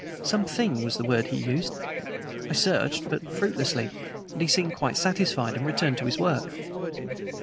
"'Something' was the word he used. I searched, but fruitlessly, and he seemed quite satisfied, and returned to his work."